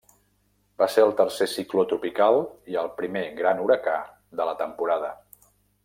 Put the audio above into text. Va ser el tercer cicló tropical i el primer gran huracà de la temporada.